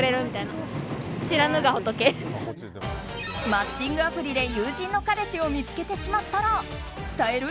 マッチングアプリで友人の彼氏を見つけてしまったら伝える？